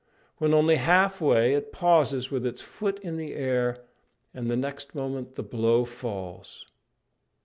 When only half way, it pauses with its foot in the air; and the next moment the blow falls.